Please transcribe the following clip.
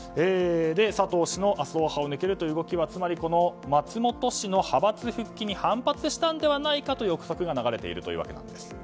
佐藤氏の麻生派を抜けるという動きはつまり松本氏の派閥復帰に反発したのではないかという憶測が流れているというんです。